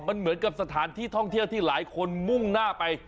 มันเหมือนกับสถานที่ท่องเที่ยวที่หลายคนมุ่งหน้าไป